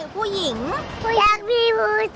คัต